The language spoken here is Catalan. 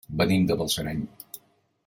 Venim de Balsareny.